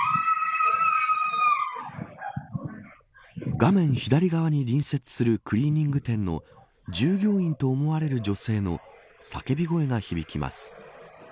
画面左側に隣接するクリーニング店の従業員と思われる女性の叫び声が響きます。